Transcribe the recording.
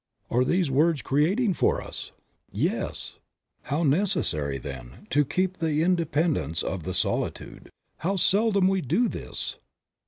Are these words creating for us? Yes! How necessary, then, to "keep the independence of the solitude"; how seldom we do this!